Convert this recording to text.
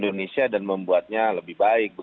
dan itu yang membuatnya lebih baik